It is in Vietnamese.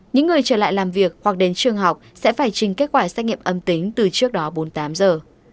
những người trở lại làm việc hoặc đến trường học sẽ phải trình kết quả xét nghiệm âm tính từ trước đó bốn mươi tám giờ